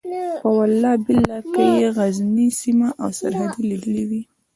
په والله بالله که یې غزنۍ سیمه او سرحد لیدلی وي.